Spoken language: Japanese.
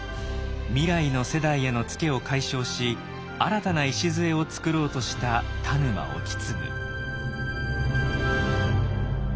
未来の世代へのツケを解消し新たな礎を作ろうとした田沼意次。